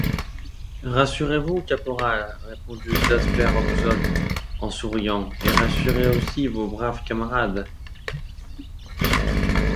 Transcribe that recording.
Rassurez-vous, caporal, répondit Jasper Hobson en souriant, et rassurez aussi vos braves camarades.